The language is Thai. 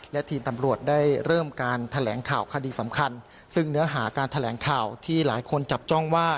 และทีมตำรวจได้เริ่มการแถลงข่าวคดีสำคัญซึ่งเนื้อหาการแถลงข่าวที่หลายคนจับจ้องว่า